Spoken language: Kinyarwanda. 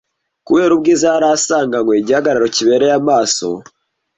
Kubera ubwiza yari asanganywe, igihagararo kibereye amaso